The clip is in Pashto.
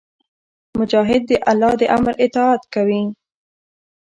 مجاهد د الله د امر اطاعت کوي.